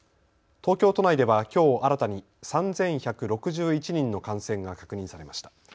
東京都内ではきょう新たに３１６１人の感染が確認されました。